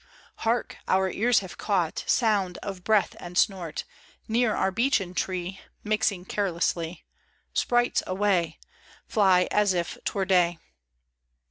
Hark ! our ears have caught Sound of breath and snort Near our beechen tree Mixing carelessly. Sprites, awayl Fly as if 'twere day